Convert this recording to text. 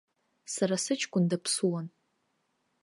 Сара сыҷкәын даԥсуан.